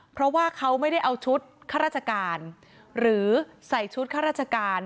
เพราะว่าเขาไม่ได้เอาชุดข้าราชการหรือใส่ชุดข้าราชการ